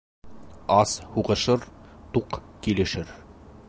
Ас һуғышыр, туҡ килешер.